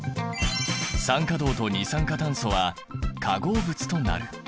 酸化銅と二酸化炭素は化合物となる。